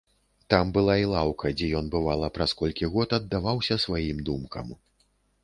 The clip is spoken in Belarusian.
Там была і лаўка, дзе ён, бывала, праз колькі год, аддаваўся сваім думкам.